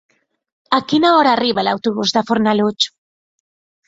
A quina hora arriba l'autobús de Fornalutx?